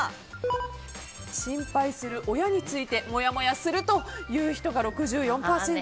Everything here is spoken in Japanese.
心配する親についてもやもやするという人が６４％。